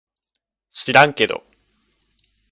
しらんけど